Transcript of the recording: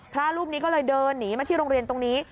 พระรูปนี้ก็เลยเดินหนีมาที่โรงเรียนตรงนี้